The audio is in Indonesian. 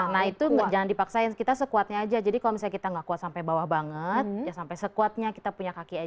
nah itu jangan dipaksain kita sekuatnya aja jadi kalau misalnya kita nggak kuat sampai bawah banget ya sampai sekuatnya kita punya kaki aja